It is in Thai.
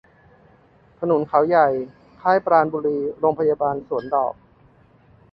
ถนนเขาใหญ่ ค่ายปราณบุรี โรงพยาบาลสวนดอก